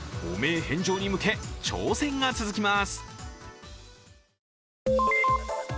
返上へ向け挑戦が続きます。